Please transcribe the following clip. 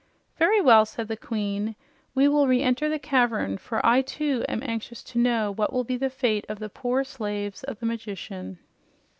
"Very well," said the Queen, "we will reenter the cavern, for I, too, am anxious to know what will be the fate of the poor slaves of the magician."